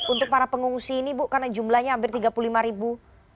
untuk para pengungsi ini bu karena jumlahnya hampir tiga puluh lima ribu